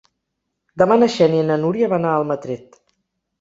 Demà na Xènia i na Núria van a Almatret.